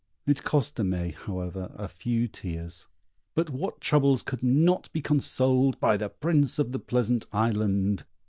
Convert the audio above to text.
It cost Aimée, however, a few tears; but what troubles could not be consoled by the Prince of the Pleasant Island?